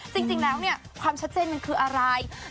จริงแล้วเนี่ยความชัดเจนมันคืออะไร